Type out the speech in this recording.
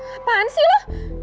apaan sih lu